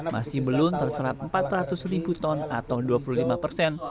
masih belum terserap empat ratus ribu ton atau dua puluh lima persen